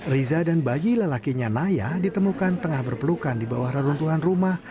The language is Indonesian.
riza dan bayi lelakinya naya ditemukan tengah berpelukan di bawah reruntuhan rumah